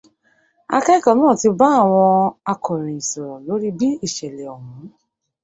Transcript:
Akẹ́kọ̀ọ́ náà ti bá àwọn akọròyìn sọ̀rọ̀ lórí bí ìṣẹ̀lẹ̀ ọ̀hún.